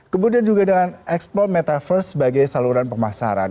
kemudian juga dengan ekspor metaverse sebagai saluran pemasaran